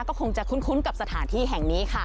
ก็คงจะคุ้นกับสถานที่แห่งนี้ค่ะ